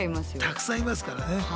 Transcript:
たくさんいますからね。